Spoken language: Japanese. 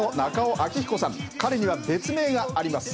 彼には別名があります。